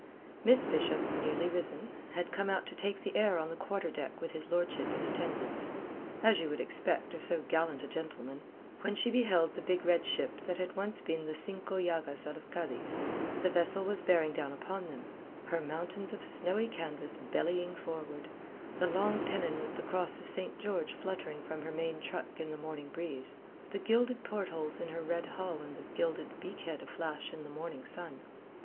Miss Bishop, newly risen, had come out to take the air on the quarter deck with his lordship in attendance as you would expect of so gallant a gentleman when she beheld the big red ship that had once been the Cinco Llagas out of Cadiz. The vessel was bearing down upon them, her mountains of snowy canvas bellying forward, the long pennon with the cross of St. George fluttering from her main truck in the morning breeze, the gilded portholes in her red hull and the gilded beak head aflash in the morning sun.